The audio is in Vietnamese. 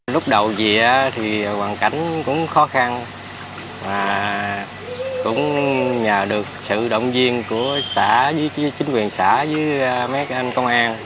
lúc đầu gì thì hoàn cảnh cũng khó khăn cũng nhờ được sự động viên của xã với chính quyền xã với mấy anh công an